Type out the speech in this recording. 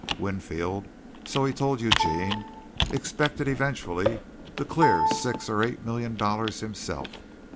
Winfield, so he told Eugene, expected eventually to clear six or eight million dollars himself.